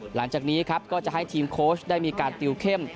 หลังจากนี้ครับก็จะให้ทีมโค้ชได้มีการติวเข้ม